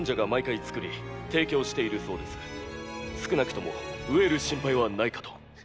少なくとも飢える心配はないかと。